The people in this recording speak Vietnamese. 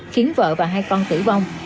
khiến vợ và hai con tử vong